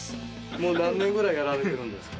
もう何年ぐらいやられているんですか。